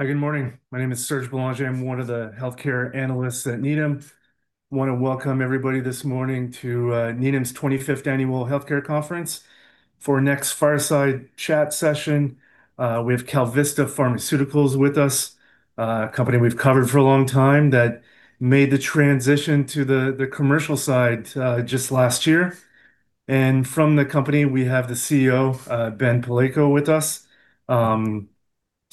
Hi, good morning. My name is Serge Bélanger. I'm one of the healthcare analysts at Needham. I want to welcome everybody this morning to Needham's 25th Annual Healthcare Conference. For our next fireside chat session, we have KalVista Pharmaceuticals with us, a company we've covered for a long time that made the transition to the commercial side just last year. From the company, we have the CEO, Ben Palleiko, with us.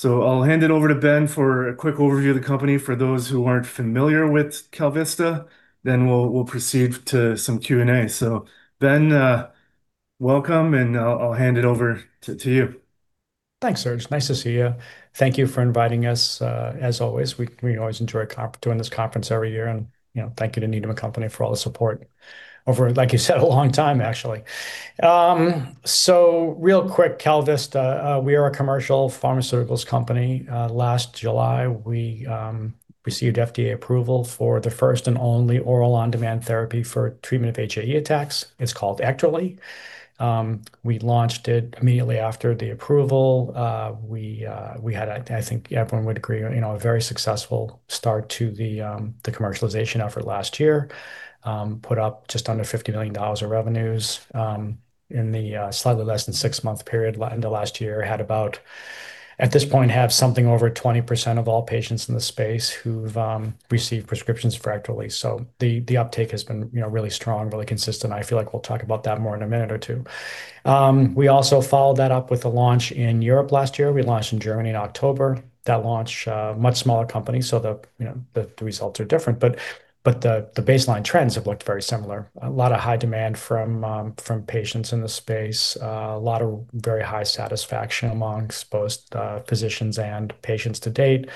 I'll hand it over to Ben for a quick overview of the company, for those who aren't familiar with KalVista, then we'll proceed to some Q&A. Ben, welcome, and I'll hand it over to you. Thanks, Serge. Nice to see you. Thank you for inviting us. As always, we always enjoy doing this conference every year, and thank you to Needham and Company for all the support over, like you said, a long time, actually. Real quick, KalVista, we are a commercial pharmaceuticals company. Last July, we received FDA approval for the first and only oral on-demand therapy for treatment of HAE attacks. It's called EKTERLY. We launched it immediately after the approval. We had, I think everyone would agree, a very successful start to the commercialization effort last year. Put up just under $50 million of revenues in the slightly less than six-month period into last year. At this point, have something over 20% of all patients in the space who've received prescriptions for EKTERLY. The uptake has been really strong, really consistent. I feel like we'll talk about that more in a minute or two. We also followed that up with a launch in Europe last year. We launched in Germany in October. That launch, much smaller company, so the results are different, but the baseline trends have looked very similar. A lot of high demand from patients in the space. A lot of very high satisfaction amongst both physicians and patients to date.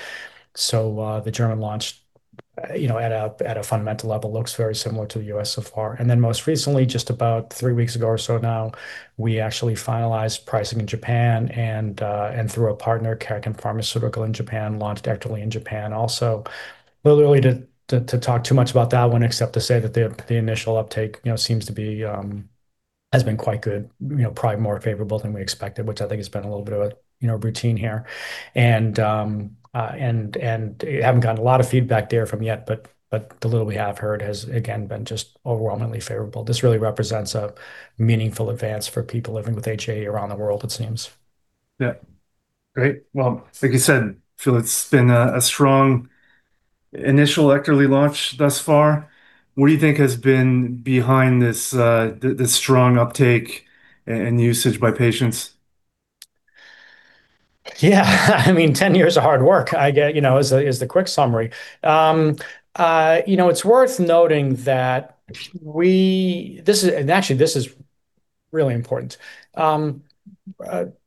The German launch, at a fundamental level, looks very similar to the U.S. so far. Most recently, just about three weeks ago or so now, we actually finalized pricing in Japan and, through a partner, Kaken Pharmaceutical in Japan, launched EKTERLY in Japan also, really to talk too much about that one, except to say that the initial uptake has been quite good. Probably more favorable than we expected, which I think has been a little bit of a routine here. We haven't gotten a lot of feedback from there yet, but the little we have heard has, again, been just overwhelmingly favorable. This really represents a meaningful advance for people living with HAE around the world, it seems. Yeah. Great. Well, like you said, feel it's been a strong initial EKTERLY launch thus far. What do you think has been behind this strong uptake and usage by patients? Yeah. I mean, 10 years of hard work is the quick summary. It's worth noting that, and actually this is really important.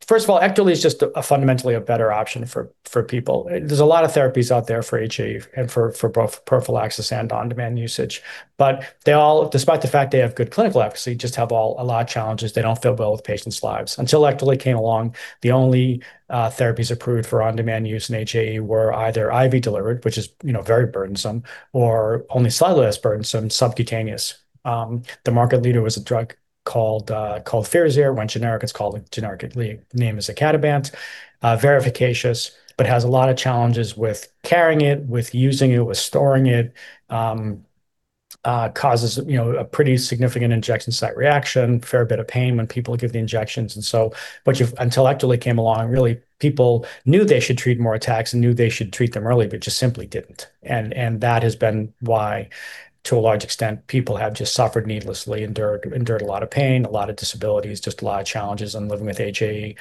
First of all, EKTERLY is just fundamentally a better option for people. There's a lot of therapies out there for HAE and for both prophylaxis and on-demand usage. They all, despite the fact they have good clinical efficacy, just have a lot of challenges. They don't fit well with patients' lives. Until EKTERLY came along, the only therapies approved for on-demand use in HAE were either IV delivered, which is very burdensome, or only slightly less burdensome, subcutaneous. The market leader was a drug called FIRAZYR. When generic, it's called, generically, the name is icatibant. Very efficacious, but has a lot of challenges with carrying it, with using it, with storing it. Causes a pretty significant injection site reaction, fair bit of pain when people give the injections. Until EKTERLY came along, really, people knew they should treat more attacks and knew they should treat them early, but just simply didn't. That has been why, to a large extent, people have just suffered needlessly, endured a lot of pain, a lot of disabilities, just a lot of challenges in living with HAE.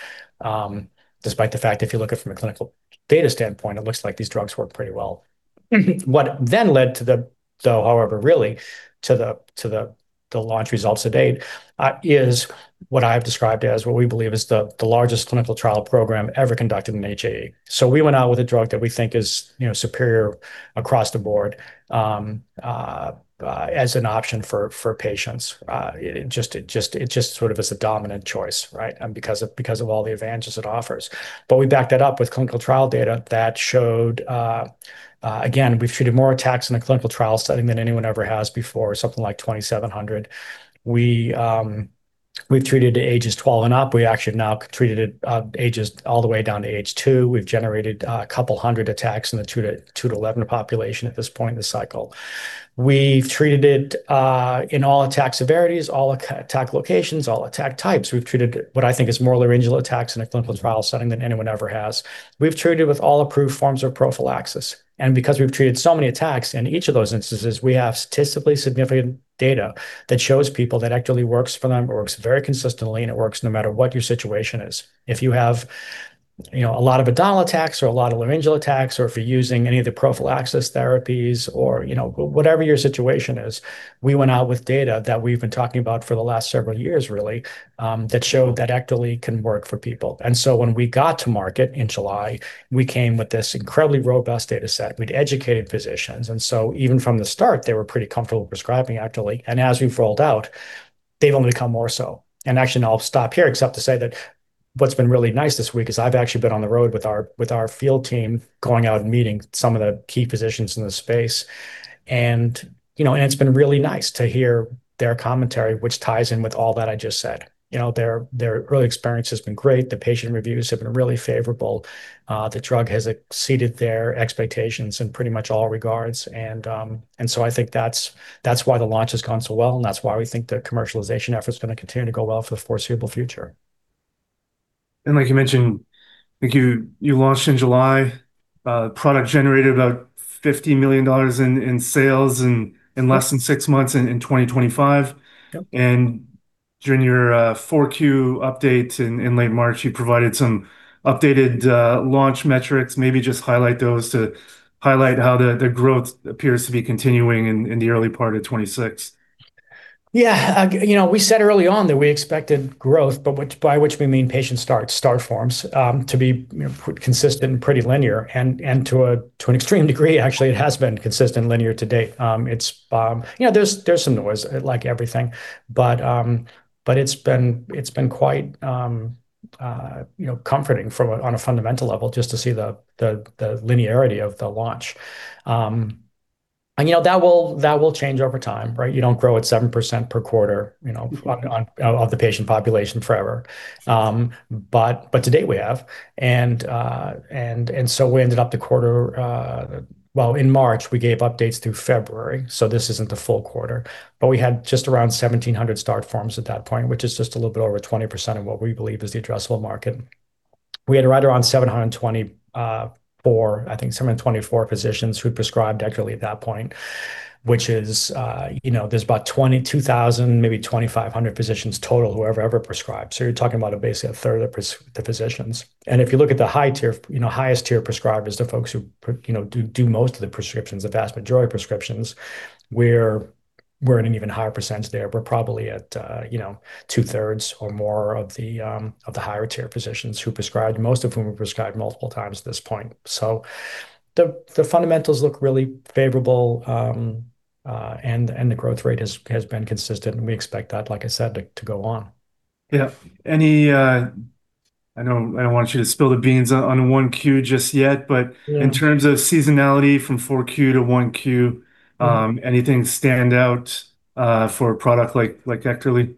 Despite the fact, if you look at from a clinical data standpoint, it looks like these drugs work pretty well. What then led to the, however, really, to the launch results to date, is what I've described as what we believe is the largest clinical trial program ever conducted in HAE. We went out with a drug that we think is superior across the board as an option for patients. It just sort of is a dominant choice, right, because of all the advantages it offers? We backed that up with clinical trial data that showed, again, we've treated more attacks in a clinical trial setting than anyone ever has before, something like 2,700. We've treated to ages 12 and up. We actually now treated ages all the way down to age two. We've generated a couple hundred attacks in the two-11 population at this point in the cycle. We've treated it in all attack severities, all attack locations, all attack types. We've treated what I think is more laryngeal attacks in a clinical trial setting than anyone ever has. We've treated with all approved forms of prophylaxis. Because we've treated so many attacks, in each of those instances, we have statistically significant data that shows people that EKTERLY works for them. It works very consistently, and it works no matter what your situation is. If you have a lot of abdominal attacks or a lot of laryngeal attacks, or if you're using any of the prophylaxis therapies or whatever your situation is, we went out with data that we've been talking about for the last several years, really, that showed that EKTERLY can work for people. When we got to market in July, we came with this incredibly robust data set. We'd educated physicians, and so even from the start, they were pretty comfortable prescribing EKTERLY. As we've rolled out, they've only become more so. Actually, and I'll stop here, except to say that what's been really nice this week is I've actually been on the road with our field team, going out and meeting some of the key physicians in the space. It's been really nice to hear their commentary, which ties in with all that I just said. Their early experience has been great. The patient reviews have been really favorable. The drug has exceeded their expectations in pretty much all regards, and so I think that's why the launch has gone so well, and that's why we think the commercialization effort's going to continue to go well for the foreseeable future. Like you mentioned, I think you launched in July. The product generated about $50 million in sales in less than six months in 2025. Yep. During your 4Q update in late March, you provided some updated launch metrics. Maybe just highlight those to highlight how the growth appears to be continuing in the early part of 2026. Yeah. We said early on that we expected growth, by which we mean patient start forms, to be consistent and pretty linear, and to an extreme degree, actually, it has been consistent and linear to date. There's some noise, like everything, but it's been quite comforting on a fundamental level just to see the linearity of the launch. That will change over time, right? You don't grow at 7% per quarter of the patient population forever. To date, we have. Well, in March, we gave updates through February, so this isn't the full quarter, but we had just around 1,700 start forms at that point, which is just a little bit over 20% of what we believe is the addressable market. We had right around, I think 724 physicians who prescribed EKTERLY at that point, which is there's about 22,000, maybe 2,500 physicians total who have ever prescribed. You're talking about basically 1/3 of the physicians. If you look at the highest-tier prescribers, the folks who do most of the prescriptions, the vast majority of prescriptions, we're in an even higher percentage there. We're probably at 2/3 or more of the higher-tier physicians who prescribed, most of whom have prescribed multiple times at this point. The fundamentals look really favorable, and the growth rate has been consistent, and we expect that, like I said, to go on. Yeah. I don't want you to spill the beans on 1Q just yet. Yeah In terms of seasonality from 4Q to 1Q. Yeah Anything stand out for a product like EKTERLY?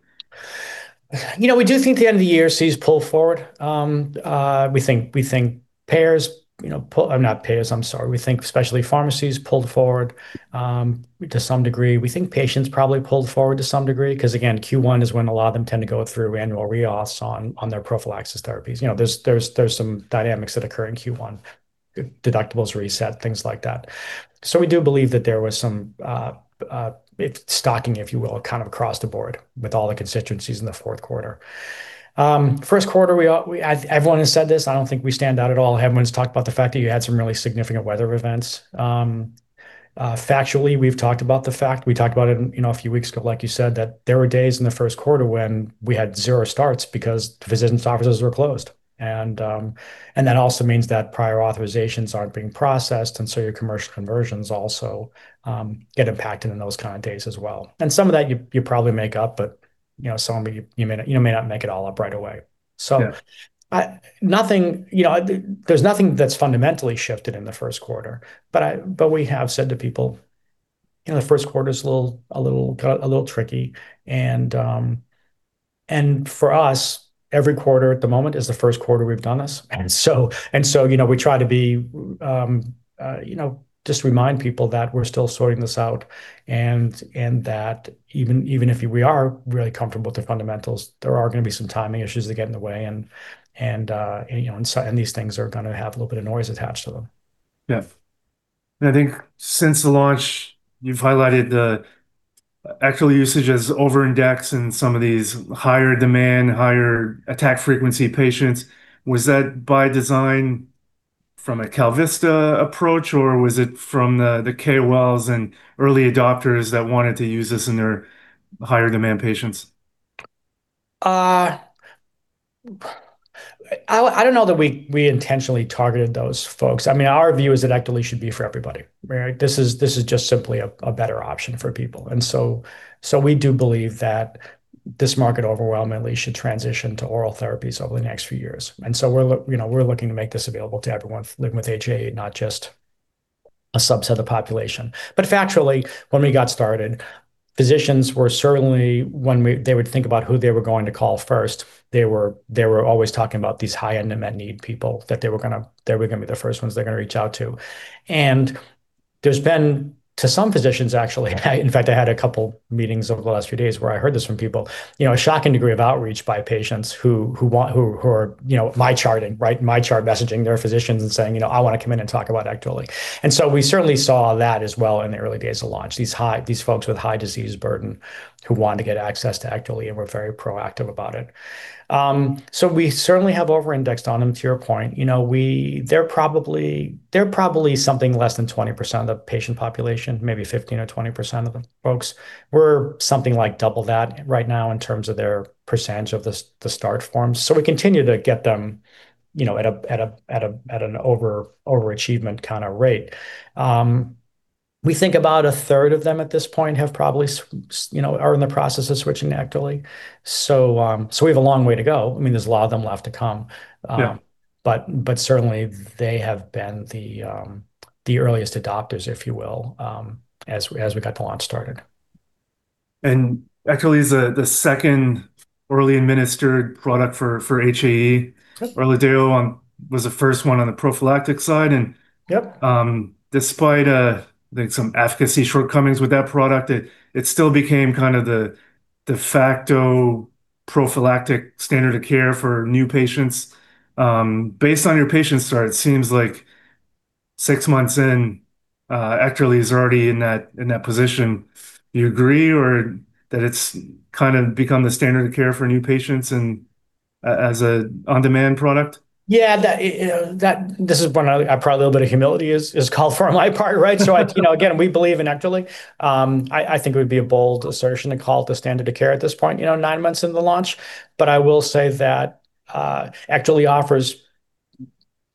We do think the end of the year sees pull forward. We think payers, not payers, I'm sorry, we think specialty pharmacies pulled forward, to some degree. We think patients probably pulled forward to some degree because, again, Q1 is when a lot of them tend to go through annual re-auths on their prophylaxis therapies. There's some dynamics that occur in Q1, deductibles reset, things like that. So we do believe that there was some stocking, if you will, kind of across the board with all the constituencies in the fourth quarter. First quarter, everyone has said this, I don't think we stand out at all. Everyone's talked about the fact that you had some really significant weather events. Factually, we talked about it a few weeks ago, like you said, that there were days in the first quarter when we had zero starts because the physicians' offices were closed. That also means that prior authorizations aren't being processed, and so your commercial conversions also get impacted in those kind of days as well. Some of that you probably make up, but some of it you may not make it all up right away. Yeah. There's nothing that's fundamentally shifted in the first quarter, but we have said to people, the first quarter's a little tricky, and for us, every quarter at the moment is the first quarter we've done this. We try to just remind people that we're still sorting this out, and that even if we are really comfortable with the fundamentals, there are going to be some timing issues that get in the way, and these things are going to have a little bit of noise attached to them. Yeah. I think since the launch, you've highlighted the actual usage has overindexed in some of these higher demand, higher attack frequency patients. Was that by design from a KalVista approach, or was it from the KOLs and early adopters that wanted to use this in their higher demand patients? I don't know that we intentionally targeted those folks. Our view is that EKTERLY should be for everybody, right? This is just simply a better option for people. We do believe that this market overwhelmingly should transition to oral therapies over the next few years. We're looking to make this available to everyone living with HAE, not just a subset of the population. Factually, when we got started, physicians were certainly, when they would think about who they were going to call first, they were always talking about these high-end, unmet need people, that they were going to be the first ones they're going to reach out to. There's been, to some physicians, actually, in fact, I had a couple meetings over the last few days where I heard this from people, a shocking degree of outreach by patients who are MyCharting, right, MyChart messaging their physicians and saying, "I want to come in and talk about EKTERLY." We certainly saw that as well in the early days of launch, these folks with high disease burden who wanted to get access to EKTERLY and were very proactive about it. We certainly have overindexed on them, to your point. They're probably something less than 20% of the patient population, maybe 15% or 20% of the folks, we're something like double that right now in terms of their percentage of the start forms. We continue to get them at an overachievement kind of rate. We think about 1/3 of them at this point are in the process of switching to EKTERLY. We have a long way to go. There's a lot of them left to come. Yeah. Certainly, they have been the earliest adopters, if you will, as we got the launch started. EKTERLY is the second orally administered product for HAE. Yep. ORLADEYO was the first one on the prophylactic side. Yep... despite some efficacy shortcomings with that product, it still became the de facto prophylactic standard of care for new patients. Based on your patient start, it seems like six months in, EKTERLY is already in that position. Do you agree, or that it's become the standard of care for new patients, and as an on-demand product? Yeah. This is one, probably a little bit of humility is called for on my part, right? So, again, we believe in EKTERLY. I think it would be a bold assertion to call it the standard of care at this point, nine months into the launch. But I will say that EKTERLY offers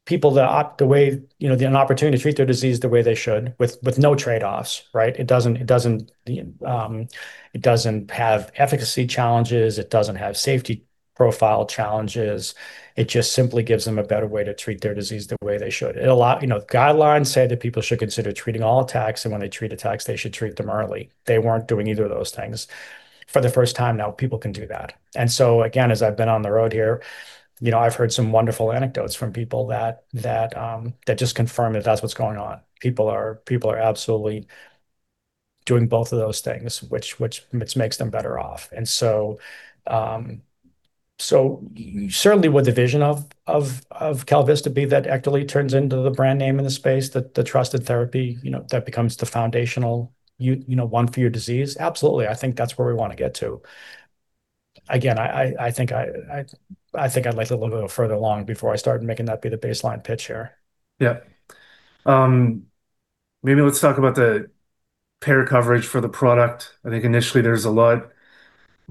people an opportunity to treat their disease the way they should with no trade-offs, right? It doesn't have efficacy challenges. It doesn't have safety profile challenges. It just simply gives them a better way to treat their disease the way they should. Guidelines say that people should consider treating all attacks, and when they treat attacks, they should treat them early. They weren't doing either of those things. For the first time, now people can do that. Again, as I've been on the road here, I've heard some wonderful anecdotes from people that just confirm that that's what's going on. People are absolutely doing both of those things, which makes them better off. Certainly would the vision of KalVista be that EKTERLY turns into the brand name in the space, the trusted therapy, that becomes the foundational one for your disease? Absolutely. I think that's where we want to get to. Again, I think I'd like a little bit further along before I start making that be the baseline pitch here. Yeah, maybe let's talk about the payer coverage for the product. I think initially there's a lot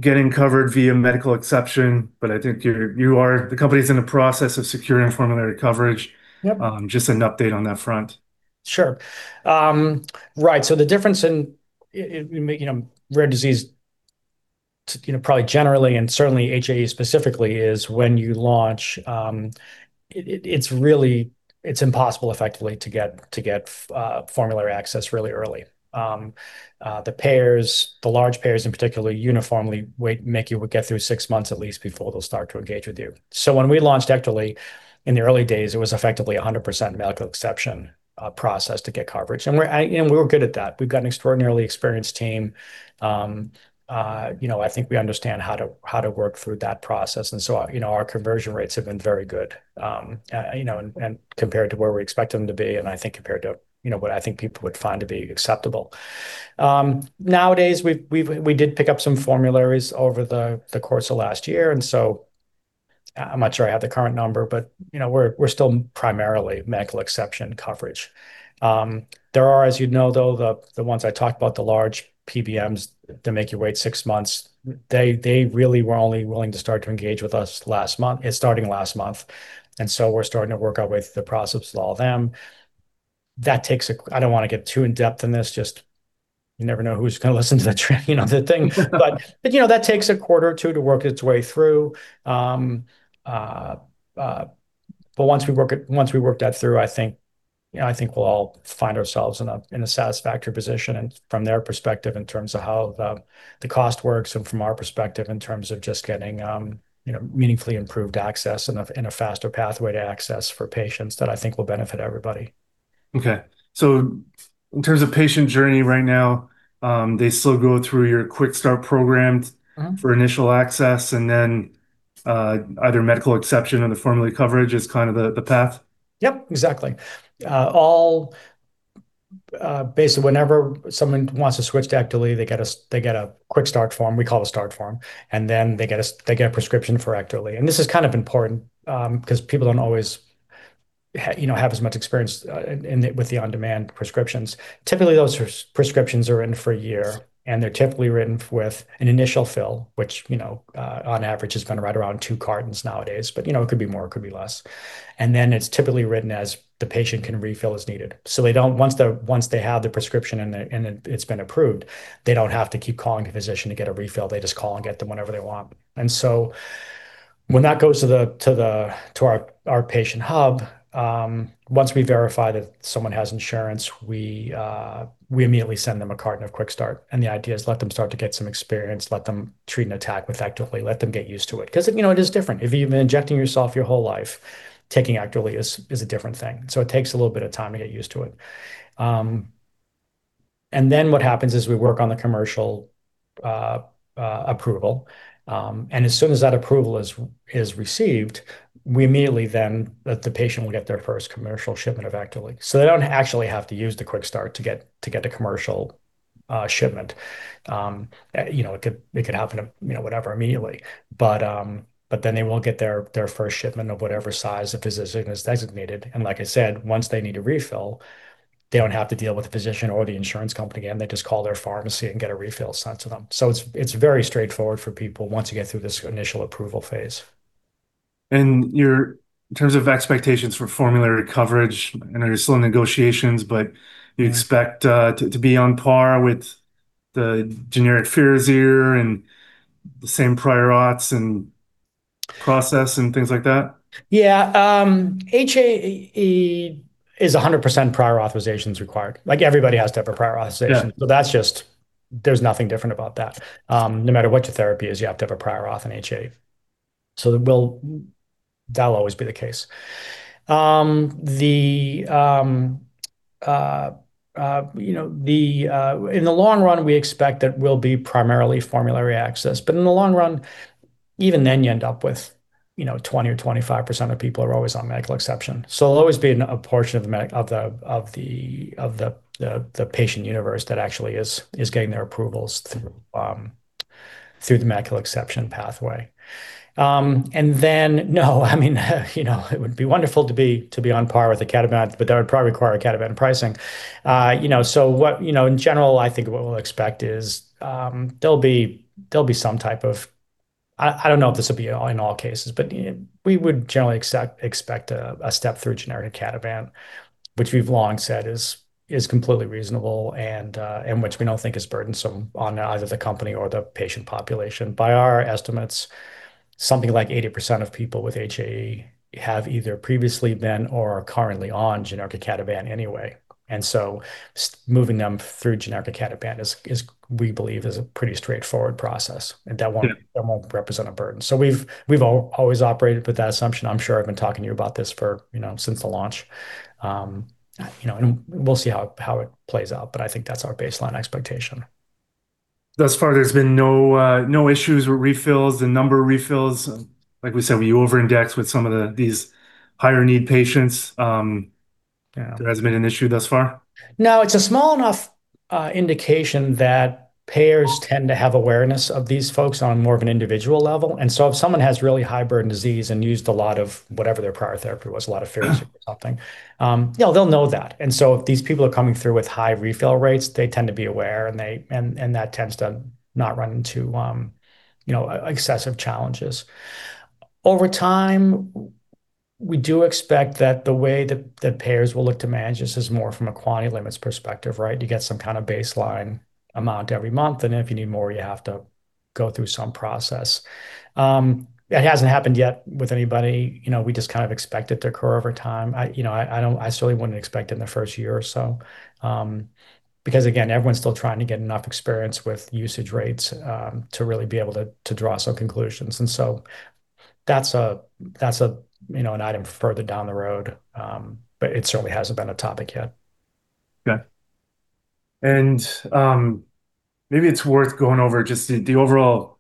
getting covered via medical exception, but I think the company's in the process of securing formulary coverage. Yep. Just an update on that front. Sure. Right. The difference in rare disease, probably generally, and certainly HAE specifically, is when you launch, it's impossible effectively to get formulary access really early. The large payers in particular uniformly make you get through six months at least before they'll start to engage with you. When we launched EKTERLY, in the early days, it was effectively 100% medical exception process to get coverage. We were good at that. We've got an extraordinarily experienced team. I think we understand how to work through that process, and so our conversion rates have been very good, and compared to where we expect them to be, and I think compared to what I think people would find to be acceptable. Nowadays, we did pick up some formularies over the course of last year, and so I'm not sure I have the current number, but we're still primarily medical exception coverage. There are, as you know, though, the ones I talked about, the large PBMs that make you wait six months. They really were only willing to start to engage with us starting last month. We're starting to work our way through the process with all of them. I don't want to get too in depth in this. Just you never know who's going to listen to the thing. That takes a quarter or two to work its way through. Once we work that through, I think we'll all find ourselves in a satisfactory position, and from their perspective, in terms of how the cost works, and from our perspective, in terms of just getting meaningfully improved access and a faster pathway to access for patients that I think will benefit everybody. In terms of patient journey right now, they still go through your Quickstart program. Mm-hmm For initial access, and then either medical exception or the formulary coverage is the path? Yep, exactly. Basically, whenever someone wants to switch to EKTERLY, they get a Quickstart form. We call it a start form, and then they get a prescription for EKTERLY. This is important because people don't always have as much experience with the on-demand prescriptions. Typically, those prescriptions are in for a year, and they're typically written with an initial fill, which, on average, is right around two cartons nowadays. It could be more, it could be less. It's typically written as the patient can refill as needed. Once they have the prescription, and it's been approved, they don't have to keep calling the physician to get a refill. They just call and get them whenever they want. When that goes to our patient hub, once we verify that someone has insurance, we immediately send them a carton of Quickstart, and the idea is let them start to get some experience, let them treat an attack with EKTERLY, let them get used to it. Because it is different, if you've been injecting yourself your whole life, taking EKTERLY is a different thing. It takes a little bit of time to get used to it. What happens is we work on the commercial approval. As soon as that approval is received, the patient will get their first commercial shipment of EKTERLY. They don't actually have to use the Quickstart to get the commercial shipment. It could happen whatever immediately. They will get their first shipment of whatever size the physician has designated. Like I said, once they need a refill, they don't have to deal with the physician or the insurance company again. They just call their pharmacy and get a refill sent to them. It's very straightforward for people once you get through this initial approval phase. In terms of expectations for formulary coverage, I know you're still in negotiations, but do you expect to be on par with the generic FIRAZYR and the same prior auths, and process, and things like that? Yeah. HAE is 100% prior authorization is required. Everybody has to have a prior authorization. Yeah. There's nothing different about that. No matter what your therapy is, you have to have a prior auth in HAE. That'll always be the case. In the long run, we expect that we'll be primarily formulary access. In the long run, even then you end up with 20% or 25% of people are always on medical exception. It'll always be a portion of the patient universe that actually is getting their approvals through the medical exception pathway. No, it would be wonderful to be on par with the icatibant, but that would probably require icatibant pricing. In general, I think what we'll expect is there'll be some type of. I don't know if this would be in all cases, but we would generally expect a step through generic icatibant, which we've long said is completely reasonable and which we don't think is burdensome on either the company or the patient population. By our estimates, something like 80% of people with HAE have either previously been or are currently on generic icatibant anyway. Moving them through generic icatibant, we believe, is a pretty straightforward process, and that won't represent a burden. We've always operated with that assumption. I'm sure I've been talking to you about this since the launch. We'll see how it plays out, but I think that's our baseline expectation. Thus far, there's been no issues with refills and number of refills. Like we said, will you over-index with some of these higher-need patients? Yeah. There hasn't been an issue thus far? No, it's a small enough indication that payers tend to have awareness of these folks on more of an individual level. If someone has really high burden disease and used a lot of whatever their prior therapy was, a lot of FIRAZYR or something, yeah, they'll know that. If these people are coming through with high refill rates, they tend to be aware, and that tends to not run into excessive challenges. Over time, we do expect that the way that payers will look to manage this is more from a quantity limits perspective. You get some kind of baseline amount every month, and if you need more, you have to go through some process. It hasn't happened yet with anybody. We just expect it to occur over time. I certainly wouldn't expect in the first year or so, because again, everyone's still trying to get enough experience with usage rates to really be able to draw some conclusions. That's an item further down the road, but it certainly hasn't been a topic yet. Okay. Maybe it's worth going over just the overall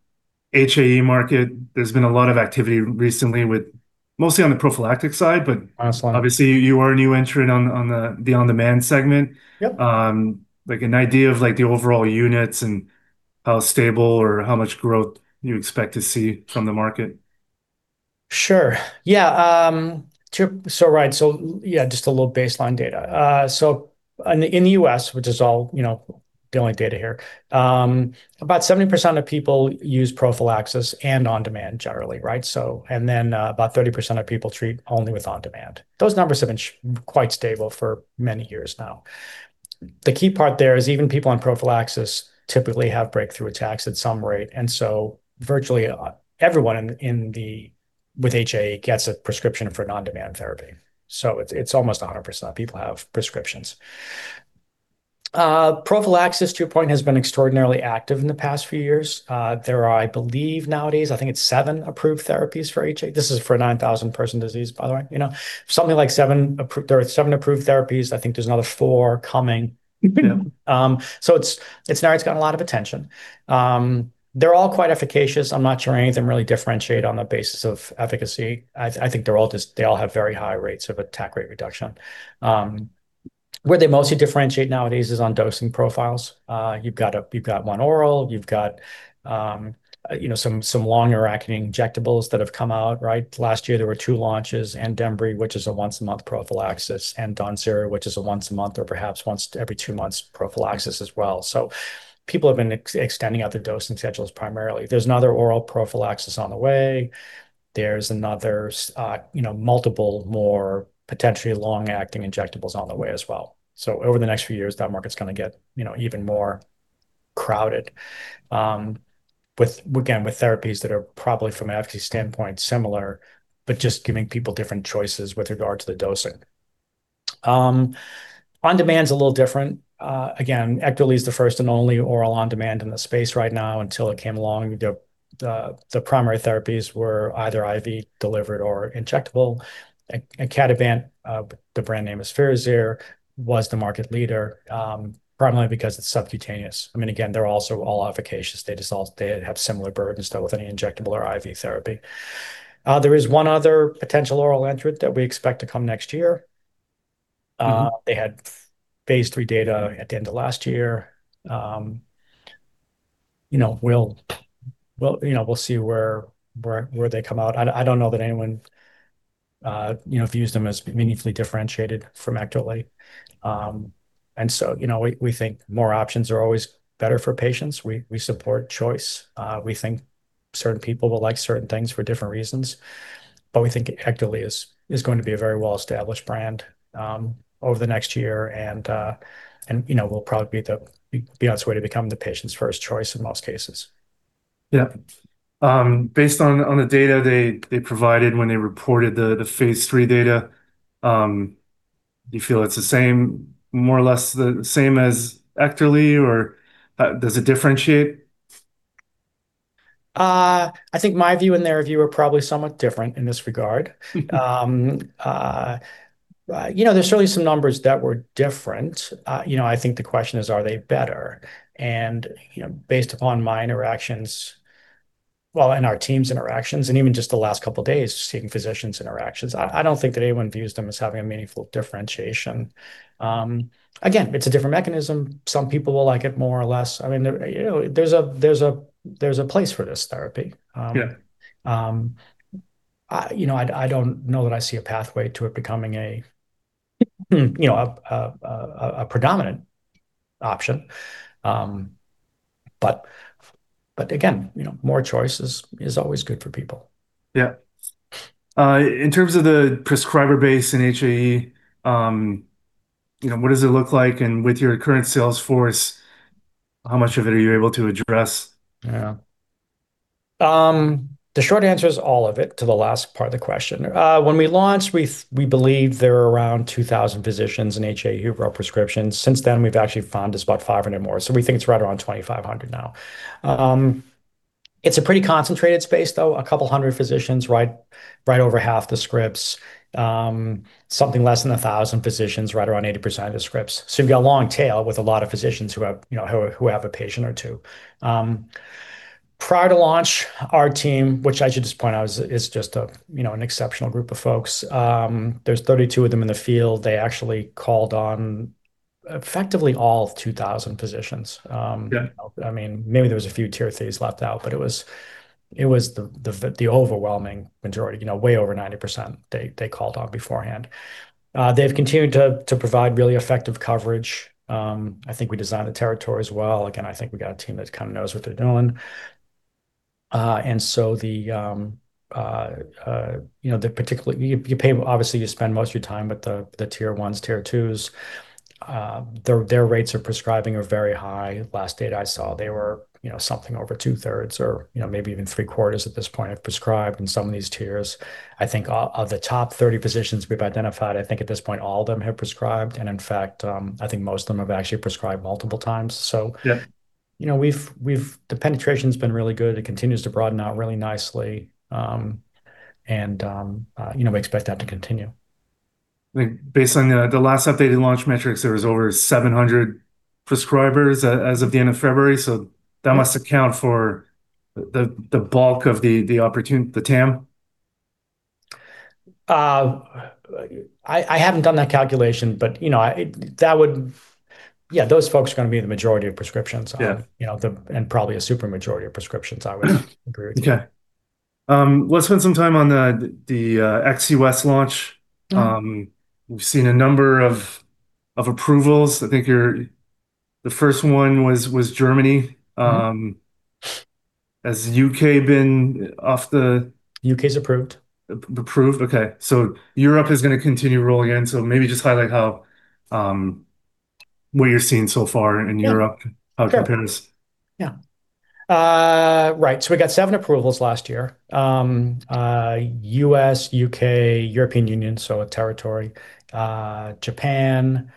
HAE market. There's been a lot of activity recently, mostly on the prophylactic side. Absolutely Obviously you are a new entrant on the on-demand segment. Yep. An idea of the overall units and how stable or how much growth you expect to see from the market. Sure. Yeah. Right, so yeah, just a little baseline data. In the U.S., which is all the only data here, about 70% of people use prophylaxis and on-demand generally. About 30% of people treat only with on-demand. Those numbers have been quite stable for many years now. The key part there is even people on prophylaxis typically have breakthrough attacks at some rate, and so virtually everyone with HAE gets a prescription for an on-demand therapy. It's almost 100% of people have prescriptions. Prophylaxis, to your point, has been extraordinarily active in the past few years. There are, I believe nowadays, I think it's seven approved therapies for HAE. This is for a 9,000-person disease, by the way. There are seven approved therapies. I think there's another four coming. Mm-hmm. It's an area that's got a lot of attention. They're all quite efficacious. I'm not sure any of them really differentiate on the basis of efficacy. I think they all have very high rates of attack rate reduction. Where they mostly differentiate nowadays is on dosing profiles. You've got one oral, you've got some longer-acting injectables that have come out. Last year there were two launches, ANDEMBRY, which is a once-a-month prophylaxis, and DANZALERA, which is a once-a-month or perhaps once every two months prophylaxis as well. People have been extending out their dosing schedules primarily. There's another oral prophylaxis on the way. There's multiple, more potentially long-acting injectables on the way as well. Over the next few years, that market's going to get even more crowded. Again, with therapies that are probably, from an efficacy standpoint, similar, but just giving people different choices with regard to the dosing. On-demand's a little different. Again, EKTERLY is the first and only oral on-demand in the space right now. Until it came along, the primary therapies were either IV delivered or injectable. Icatibant, the brand name is FIRAZYR, was the market leader, primarily because it's subcutaneous. Again, they're also all efficacious. They have similar burdens though with any injectable or IV therapy. There is one other potential oral entrant that we expect to come next year. Mm-hmm. They had phase III data at the end of last year. We'll see where they come out. I don't know that anyone view them as meaningfully differentiated from EKTERLY. We think more options are always better for patients. We support choice. We think certain people will like certain things for different reasons, but we think EKTERLY is going to be a very well-established brand over the next year and will probably be on its way to becoming the patient's first choice in most cases. Yeah. Based on the data they provided when they reported the phase III data, do you feel it's more or less the same as EKTERLY, or does it differentiate? I think my view and their view are probably somewhat different in this regard. There's certainly some numbers that were different. I think the question is, are they better? Based upon my interactions, well, and our team's interactions, and even just the last couple of days, seeing physicians' interactions, I don't think that anyone views them as having a meaningful differentiation. Again, it's a different mechanism. Some people will like it more or less. There's a place for this therapy. Yeah. I don't know that I see a pathway to it becoming a predominant option. Again, more choices is always good for people. Yeah. In terms of the prescriber base in HAE, what does it look like, and with your current sales force, how much of it are you able to address? Yeah. The short answer is all of it, to the last part of the question. When we launched, we believed there were around 2,000 physicians in HAE who wrote prescriptions. Since then, we've actually found there's about 500 more, so we think it's right around 2,500 now. It's a pretty concentrated space, though. A couple of hundred physicians write over half the scripts. Something less than 1,000 physicians write around 80% of the scripts. You've got a long tail with a lot of physicians who have a patient or two. Prior to launch, our team, which I should just point out is just an exceptional group of folks, there's 32 of them in the field, they actually called on effectively all 2,000 physicians. Yeah. Maybe there were a few tier threes left out, but it was the overwhelming majority, way over 90% they called on beforehand. They've continued to provide really effective coverage. I think we designed the territory as well. Again, I think we've got a team that kind of knows what they're doing. Obviously, you spend most of your time with the tier ones, tier twos. Their rates of prescribing are very high. Last data I saw, they were something over 2/3 or maybe even 3/4 at this point have prescribed in some of these tiers. I think of the top 30 physicians we've identified, I think at this point, all of them have prescribed, and in fact, I think most of them have actually prescribed multiple times. Yeah. The penetration's been really good. It continues to broaden out really nicely. We expect that to continue. Based on the last updated launch metrics, there were over 700 prescribers as of the end of February, so that must account for the bulk of the opportunity, the TAM. I haven't done that calculation, but those folks are going to be the majority of prescriptions. Yeah. Probably a supermajority of prescriptions, I would agree with you. Okay. Let's spend some time on the ex-U.S. launch. Mm-hmm. We've seen a number of approvals. I think the first one was Germany. Mm-hmm. Has the U.K. been off the. U.K.'s approved. Approved? Okay. Europe is going to continue rolling in, so maybe just highlight what you're seeing so far in Europe. Sure. How it compares. Yeah. Right. We got seven approvals last year. U.S., U.K., European Union, so a territory, Japan,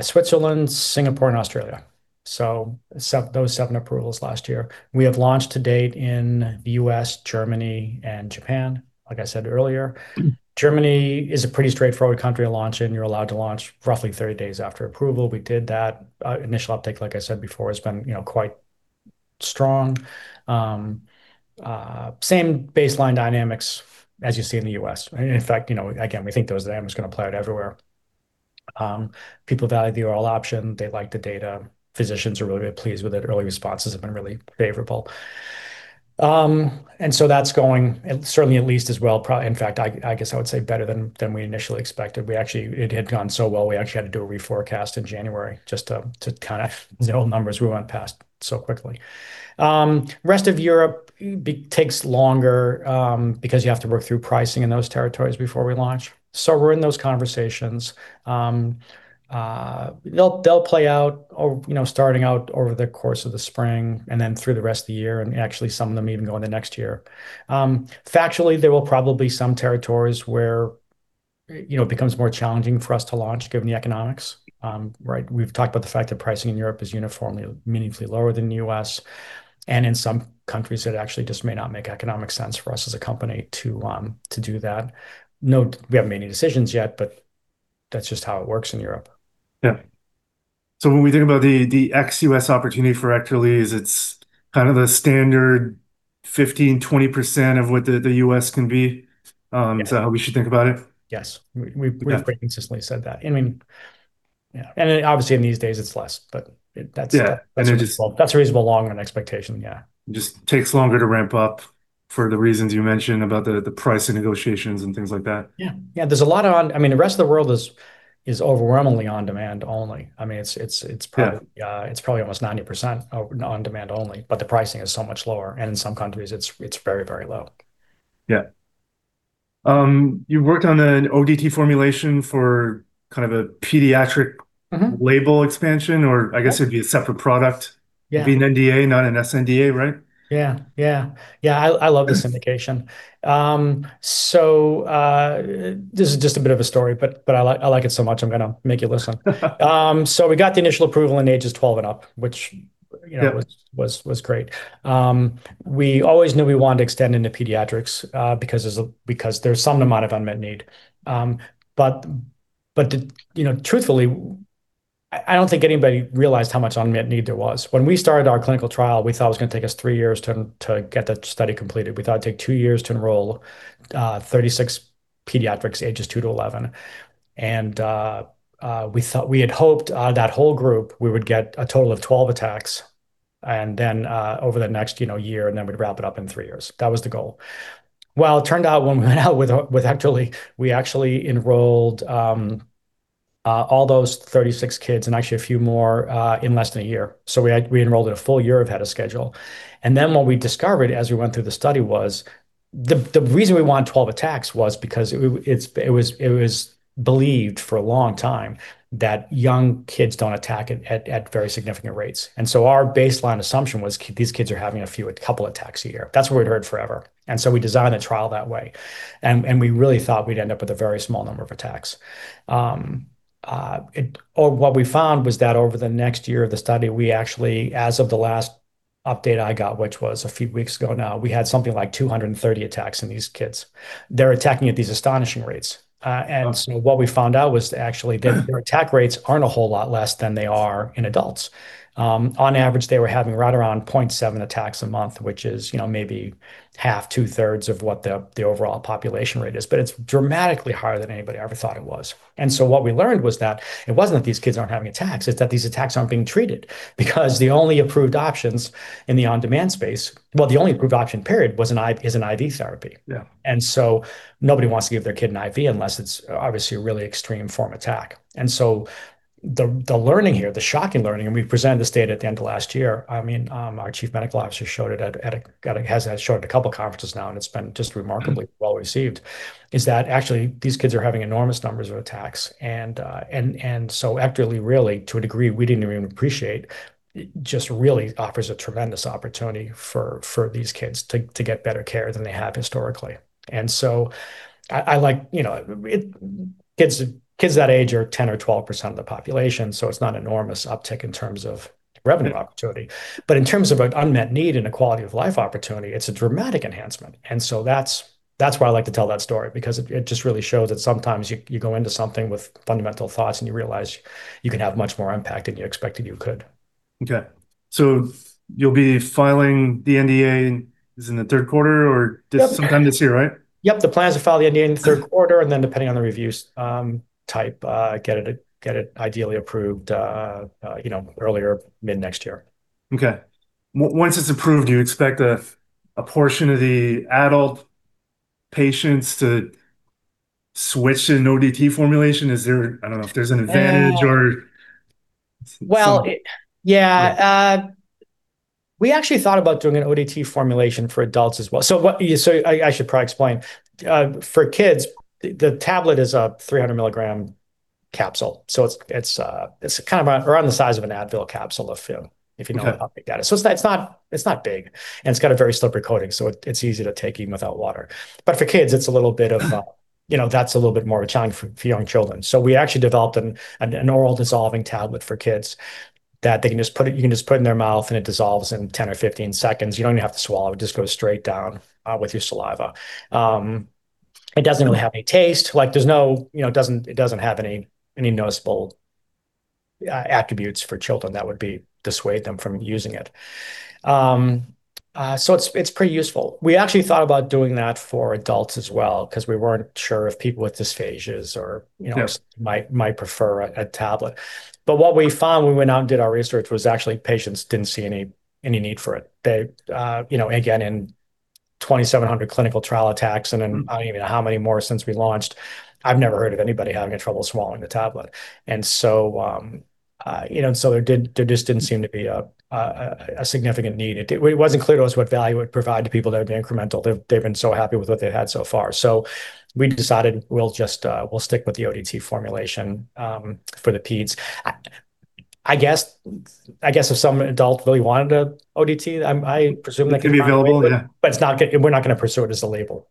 Switzerland, Singapore, and Australia, those seven approvals last year. We have launched to date in the U.S., Germany, and Japan, like I said earlier. Germany is a pretty straightforward country to launch in. You're allowed to launch roughly 30 days after approval. We did that. Initial uptake, like I said before, has been quite strong, same baseline dynamics as you see in the U.S. In fact, again, we think those dynamics are going to play out everywhere. People value the oral option. They like the data. Physicians are really pleased with it. Early responses have been really favorable. That's going certainly at least as well, in fact, I guess I would say better than we initially expected. It had gone so well. We actually had to do a reforecast in January just to kind of know the numbers we went past so quickly. Rest of Europe takes longer because you have to work through pricing in those territories before we launch. We're in those conversations. They'll play out starting out over the course of the spring and then through the rest of the year, and actually, some of them even go in the next year. Factually, there will probably be some territories where it becomes more challenging for us to launch given the economics. Right? We've talked about the fact that pricing in Europe is uniformly meaningfully lower than the U.S., and in some countries, it actually just may not make economic sense for us as a company to do that. We haven't made any decisions yet, but that's just how it works in Europe. Yeah. When we think about the ex-U.S. opportunity for EKTERLY, it's kind of the standard 15%-20% of what the U.S. can be? Yeah. Is that how we should think about it? Yes. Okay. We've very consistently said that. Yeah. Obviously in these days it's less. Yeah. That's a reasonable long-run expectation, yeah. just takes longer to ramp up for the reasons you mentioned about the price and negotiations and things like that. Yeah. The rest of the world is overwhelmingly on-demand only. Yeah Almost 90% on-demand only, but the pricing is so much lower, and in some countries it's very, very low. Yeah. You worked on an ODT formulation for kind of a pediatric. Mm-hmm Label expansion or I guess it'd be a separate product. Yeah. It'd be an NDA, not an SNDA, right? Yeah. I love this indication. This is just a bit of a story, but I like it so much, I'm going to make you listen. We got the initial approval in ages 12 and up. Yeah It was great. We always knew we wanted to extend into pediatrics, because there's some amount of unmet need. Truthfully, I don't think anybody realized how much unmet need there was. When we started our clinical trial, we thought it was going to take us three years to get that study completed. We thought it'd take two years to enroll 36 pediatrics ages 2-11. We had hoped that whole group, we would get a total of 12 attacks, and then over the next year, and then we'd wrap it up in three years. That was the goal. Well, it turned out when we went out with, we actually enrolled all those 36 kids and actually a few more, in less than a year. We enrolled a full year ahead of schedule. What we discovered as we went through the study was the reason we wanted 12 attacks was because it was believed for a long time that young kids don't attack at very significant rates. Our baseline assumption was these kids are having a few, a couple attacks a year. That's what we'd heard forever. We designed the trial that way. We really thought we'd end up with a very small number of attacks. What we found was that over the next year of the study, we actually, as of the last update I got, which was a few weeks ago now, we had something like 230 attacks in these kids. They're attacking at these astonishing rates. Wow. What we found out was actually that their attack rates aren't a whole lot less than they are in adults. On average, they were having right around 0.7 attacks a month, which is maybe half, two-thirds of what the overall population rate is. It's dramatically higher than anybody ever thought it was. What we learned was that it wasn't that these kids aren't having attacks, it's that these attacks aren't being treated. Because the only approved options in the on-demand space, well, the only approved option period is an IV therapy. Yeah. Nobody wants to give their kid an IV unless it's obviously a really extreme form attack. The learning here, the shocking learning, and we presented this data at the end of last year, our Chief Medical Officer has showed it at a couple conferences now, and it's been just remarkably well-received, is that actually these kids are having enormous numbers of attacks. Actually, really, to a degree we didn't even appreciate, it just really offers a tremendous opportunity for these kids to get better care than they have historically. Kids that age are 10% or 12% of the population, so it's not an enormous uptick in terms of revenue opportunity. In terms of an unmet need and a quality-of-life opportunity, it's a dramatic enhancement. That's why I like to tell that story, because it just really shows that sometimes you go into something with fundamental thoughts, and you realize you can have much more impact than you expected you could. Okay. You'll be filing the NDA, is it in the third quarter? Yep Sometime this year, right? Yep. The plan is to file the NDA in the third quarter, and then, depending on the review type, get it ideally approved earlier mid next year. Once it's approved, do you expect a portion of the adult patients to switch to an ODT formulation? I don't know if there's an advantage. Well, yeah. We actually thought about doing an ODT formulation for adults as well. I should probably explain. For kids, the tablet is a 300 mg capsule, so it's around the size of an Advil capsule, if you know how big that is. Okay. It's not big, and it's got a very slippery coating, so it's easy to take even without water. For kids, that's a little bit more of a challenge for young children. We actually developed an oral dissolving tablet for kids that you can just put it in their mouth, and it dissolves in 10 or 15 seconds. You don't even have to swallow it. It just goes straight down with your saliva. It doesn't really have any taste. It doesn't have any noticeable attributes for children that would dissuade them from using it. It's pretty useful. We actually thought about doing that for adults as well. Yeah They might prefer a tablet. What we found when we went out and did our research was actually patients didn't see any need for it. Again, in 2,700 clinical trial attacks, and then I don't even know how many more since we launched, I've never heard of anybody having trouble swallowing the tablet. There just didn't seem to be a significant need. It wasn't clear to us what value it would provide to people that would be incremental. They've been so happy with what they had so far. We decided we'll stick with the ODT formulation for the pedes. I guess if some adult really wanted a ODT, I presume they could. It could be available, yeah. We're not going to pursue it as a label.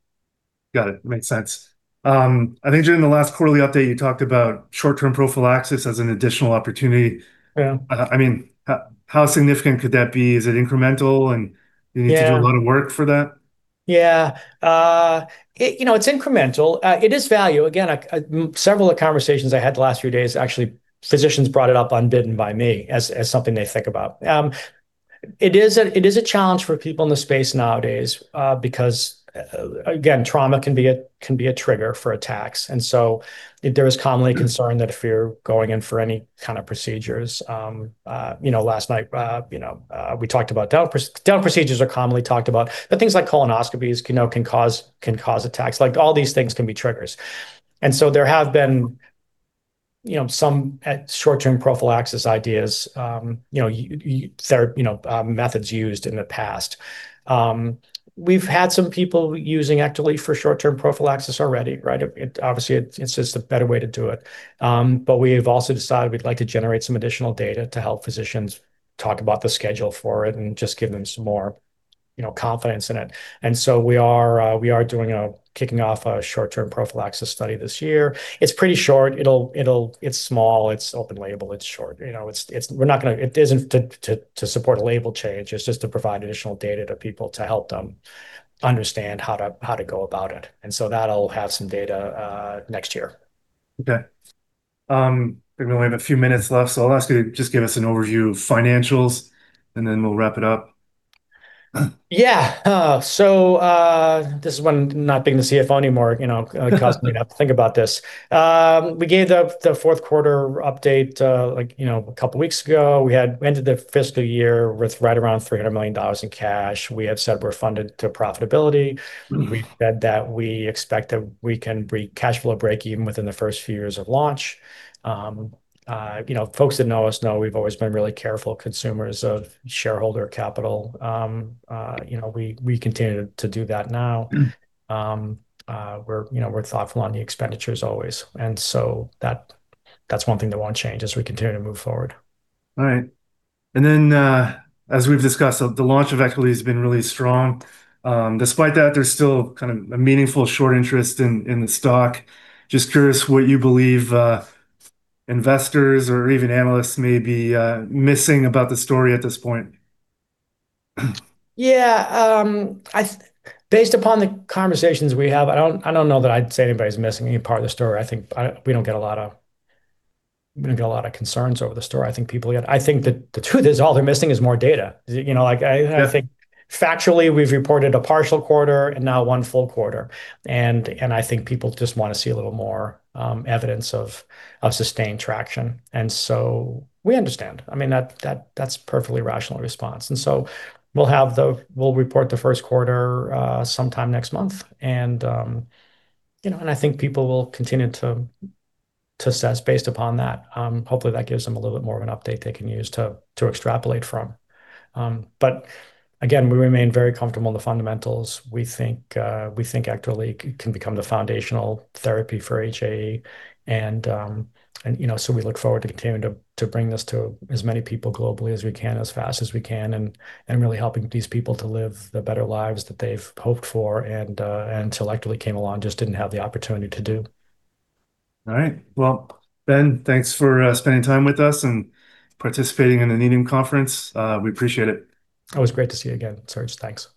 Got it. Makes sense. I think during the last quarterly update, you talked about short-term prophylaxis as an additional opportunity. Yeah. How significant could that be? Is it incremental? Yeah A lot of work for that? Yeah, it's incremental. It is value. Again, several of the conversations I had the last few days, actually, physicians brought it up unbidden by me as something they think about. It is a challenge for people in the space nowadays because, again, trauma can be a trigger for attacks. There is commonly a concern that if you're going in for any kind of procedures, last night we talked about dental. Dental procedures are commonly talked about, but things like colonoscopies can cause attacks. All these things can be triggers. There have been some short-term prophylaxis ideas, methods used in the past. We've had some people using EKTERLY for short-term prophylaxis already, right? Obviously, it's just a better way to do it. We have also decided we'd like to generate some additional data to help physicians talk about the schedule for it and just give them some more confidence in it. We are kicking off a short-term prophylaxis study this year. It's pretty short. It's small, it's open-label, it's short. It isn't to support a label change, it's just to provide additional data to people to help them understand how to go about it. That'll have some data next year. Okay. I think we only have a few minutes left, so I'll ask you to just give us an overview of financials, and then we'll wrap it up. Yeah. This is one, not being the CFO anymore, it caused me to have to think about this. We gave the fourth quarter update a couple weeks ago. We ended the fiscal year with right around $300 million in cash. We have said we're funded to profitability. Mm-hmm. We've said that we expect that we can reach cash flow breakeven within the first few years of launch. Folks that know us know we've always been really careful consumers of shareholder capital. We continue to do that now. We're thoughtful on the expenditures always, and so that's one thing that won't change as we continue to move forward. All right. As we've discussed, the launch of EKTERLY has been really strong. Despite that, there's still kind of a meaningful short interest in the stock. Just curious what you believe investors or even analysts may be missing about the story at this point. Yeah. Based upon the conversations we have, I don't know that I'd say anybody's missing any part of the story. I think we don't get a lot of concerns over the story. I think the truth is all they're missing is more data. Yeah. I think factually, we've reported a partial quarter and now one full quarter, and I think people just want to see a little more evidence of sustained traction. We understand. That's a perfectly rational response. We'll report the first quarter sometime next month, and I think people will continue to assess based upon that. Hopefully, that gives them a little bit more of an update they can use to extrapolate from. Again, we remain very comfortable in the fundamentals. We think EKTERLY can become the foundational therapy for HAE, and so we look forward to continuing to bring this to as many people globally as we can, as fast as we can, and really helping these people to live the better lives that they've hoped for, and until EKTERLY came along, just didn't have the opportunity to do. All right. Well, Ben, thanks for spending time with us and participating in the Needham Conference. We appreciate it. Always great to see you again, Serge. Thanks.